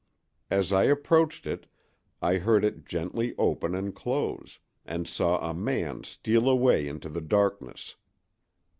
As I approached it, I heard it gently open and close, and saw a man steal away into the darkness.